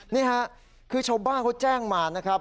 นี่ค่ะคือชาวบ้านเขาแจ้งมานะครับ